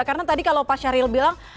karena tadi kalau pak syahril bilang